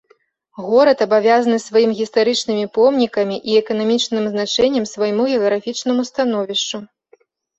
Горад абавязаны сваім гістарычнымі помнікамі і эканамічным значэннем свайму геаграфічнаму становішчу.